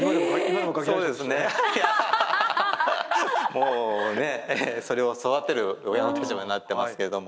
もうねそれを育てる親の立場になってますけども。